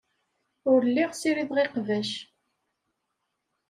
Ur lliɣ ssirideɣ iqbac.